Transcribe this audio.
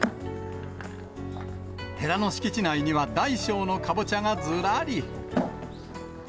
寺の敷地内には、大小のかぼちゃがずらり。